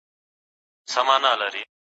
چي پیدا به یو زمری پر پښتونخوا سي